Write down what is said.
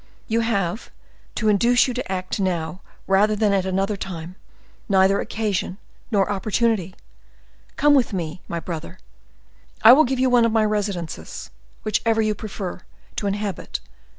You have, to induce you to act now rather than at another time, neither occasion nor opportunity. Come with me, my brother; I will give you one of my residences, whichever you prefer, to inhabit.